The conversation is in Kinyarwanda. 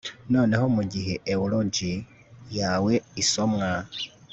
Noneho mugihe eulogy yawe isomwa